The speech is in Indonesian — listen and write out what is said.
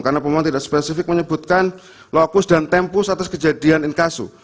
karena pemohon tidak spesifik menyebutkan lokus dan tempus atas kejadian inkasu